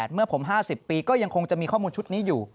เมื่อผม๕๐ปีก็ยังคงจะมีข้อมูลชุดนี้อยู่